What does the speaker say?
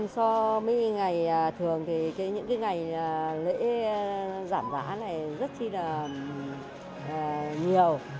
so với ngày thường thì những ngày lễ giảm giá này rất là nhiều